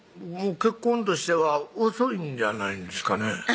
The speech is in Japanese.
結婚としては遅いんじゃないんですかね